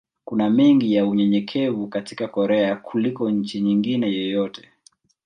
Kuna mengi ya unyenyekevu katika Korea kuliko nchi nyingine yoyote.